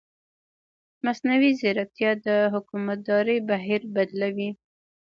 مصنوعي ځیرکتیا د حکومتدارۍ بهیر بدلوي.